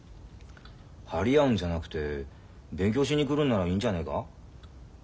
張り合うんじゃなくて勉強しに来るんならいいんじゃねえか？